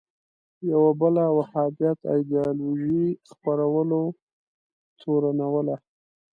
یوه بله وهابیت ایدیالوژۍ خپرولو تورنوله